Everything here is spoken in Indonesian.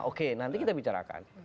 oke nanti kita bicarakan